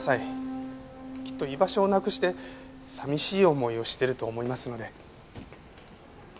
きっと居場所をなくして寂しい思いをしてると思いますので。